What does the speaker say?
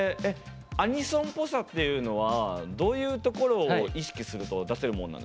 「アニソンっぽさ」っていうのはどういうところを意識すると出せるもんなんですか？